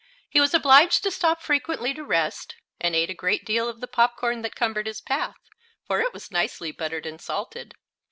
He was obliged to stop frequently to rest, and ate a great deal of the popcorn that cumbered his path, for it was nicely buttered and salted.